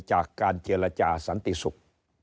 จากการเจรจาสันติศุกร์